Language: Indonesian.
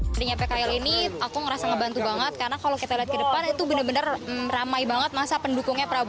pada pekal ini aku ngerasa ngebantu banget karena kalau kita lihat ke depan itu bener bener ramai banget masa pendukungnya pak rabowo